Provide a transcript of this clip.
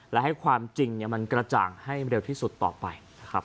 และให้ความจริงมันกระจ่างให้เร็วที่สุดต่อไปนะครับ